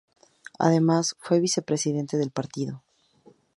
Además fue Vicepresidente del partido.